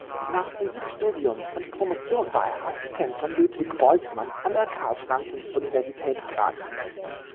Nach Physikstudium und Promotion war er Assistent von Ludwig Boltzmann an der Karl-Franzens-Universität Graz.